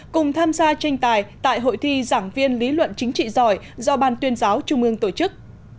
cùng tham gia tranh tài tại hội thi giảng viên lý luận chính trị giỏi do ban tuyên giáo trung ương tổ chức